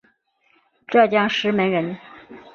浙江石门人。